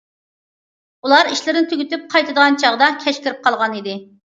ئۇلار ئىشلىرىنى تۈگىتىپ قايتىدىغان چاغدا، كەچ كىرىپ قالغانىدى.